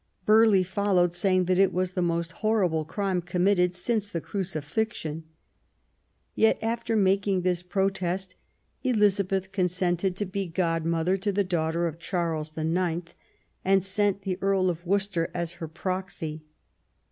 Burghley followed, saying that it was the most horrible crime committed since the Crucifixion. Yet, after making this protest, Elizabeth consented to be godmother to the daughter of Charles IX., and sent the Earl of Worcester as her proxy.